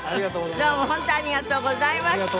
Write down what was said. どうも本当にありがとうございました。